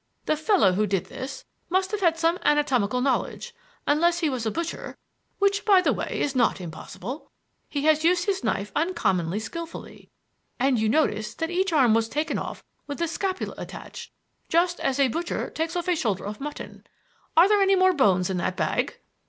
The fellow who did this must have had some anatomical knowledge, unless he was a butcher, which by the way, is not impossible. He has used his knife uncommonly skilfully, and you notice that each arm was taken off with the scapula attached, just as a butcher takes off a shoulder of mutton. Are there any more bones in that bag?"